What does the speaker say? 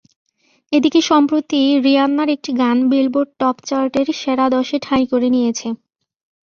এদিকে সম্প্রতি রিয়ান্নার একটি গান বিলবোর্ড টপচার্টের সেরা দশে ঠাঁই করে নিয়েছে।